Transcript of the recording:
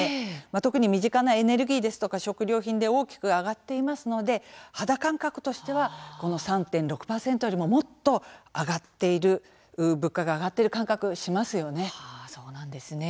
特に、身近なエネルギーですとか食料品で大きく上がっているので肌感覚としては３．６％よりももっと上がっている、物価が上がっている感覚しますよね。